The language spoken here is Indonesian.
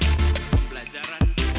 institus yang berbeda untuk menikmati